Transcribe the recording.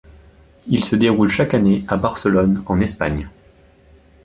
Il se déroule chaque année à Barcelone en Espagne.